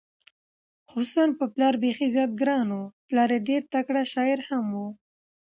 خصوصا په پلار بېخي زیات ګران و، پلار یې ډېر تکړه شاعر هم و،